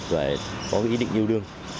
và có ý định yêu đương